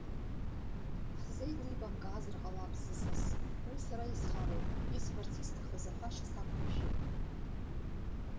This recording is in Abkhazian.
Ҳзеилибамкаазар ҟалап, сысас, уи сара исхароуп, исҳәарц исҭахыз аҳәашьа сақәымшәеит.